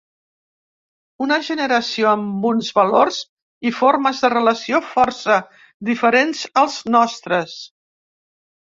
Una generació amb uns valors i formes de relació força diferents als nostres.